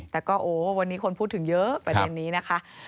แต่ก็โอ้วันนี้คนพูดถึงเยอะประเด็นนี้นะคะ